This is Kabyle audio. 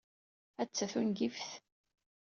Atta tungift!